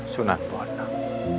sunat buah anak